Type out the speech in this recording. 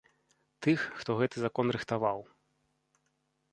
Тых, хто гэты закон рыхтаваў.